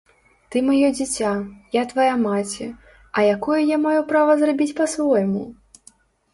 Ты маё дзіця, я твая маці, а якое я маю права зрабіць па-свойму?